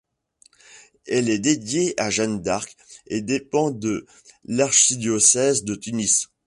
Elle est dédiée à Jeanne d'Arc et dépend de l'archidiocèse de Tunis.